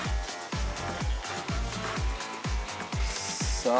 さあ